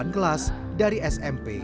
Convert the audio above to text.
delapan kelas dari smp